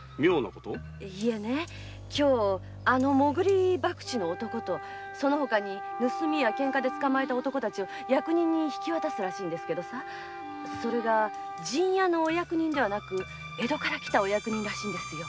今日あのモグリバクチの男と盗みやケンカで捕まえた男たちを役人に引き渡すらしいんだけどそれが陣屋の役人ではなく江戸から来たお役人らしいんですよ。